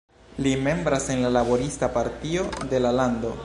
Li membras en la "Laborista Partio" de la lando.